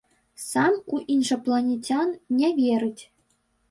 Сам у іншапланецян не верыць.